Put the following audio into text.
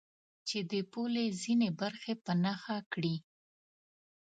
چې د پولې ځینې برخې په نښه کړي.